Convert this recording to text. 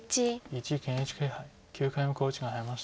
一力ＮＨＫ杯９回目の考慮時間に入りました。